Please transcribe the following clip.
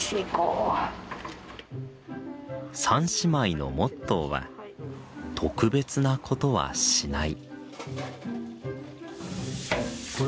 三姉妹のモットーは「特別なことはしない」。